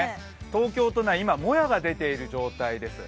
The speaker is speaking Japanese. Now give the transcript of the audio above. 東京都内、今、もやが出ている状態です。